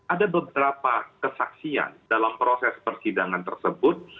ada beberapa kesaksian dalam proses persidangan tersebut